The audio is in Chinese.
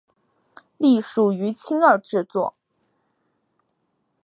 隶属于青二制作。